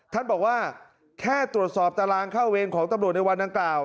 ท่านบอกว่าแค่ตรวจสอบตารางเข้าเวรของตำรวจในวันดังกล่าว